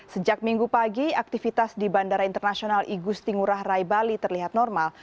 sejak minggu pagi aktivitas di bandara internasional igusti ngurah rai bali terlihat normal